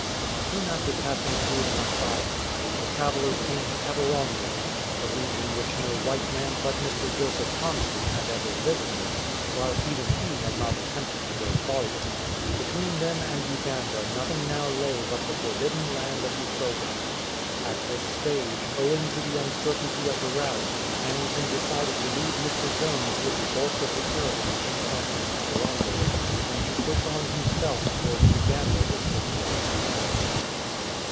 "*' Soon after passing through the Masai country the travellers came to Kavirondo, a region which no white man but Mr. Joseph Thomson had ever visited, while even he had not attempted to go farther. Between them and Uganda nothing now lay but the forbidden land of Usoga. At this stage, owing to the uncertainty of the route, Hannington decided to leave Mr. Jones with the bulk of the caravan encamped in Kavirondo, and to push on himself towards Uganda with fifty of his men.